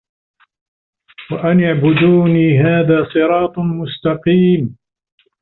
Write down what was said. وأن اعبدوني هذا صراط مستقيم